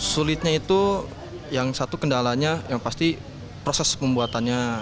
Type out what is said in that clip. sulitnya itu yang satu kendalanya yang pasti proses pembuatannya